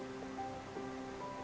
saya melepas seragam polri